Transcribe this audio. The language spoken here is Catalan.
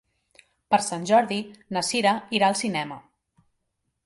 Per Sant Jordi na Sira irà al cinema.